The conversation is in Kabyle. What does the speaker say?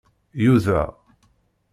Yuda